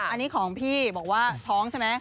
อันนี้ของพี่บอกว่าท้องใช่ไหม